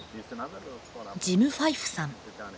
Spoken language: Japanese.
ジム・ファイフさん。